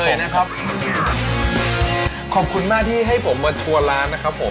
ขอบคุณมากที่ให้ผมมาทัวร์ร้านนะครับผม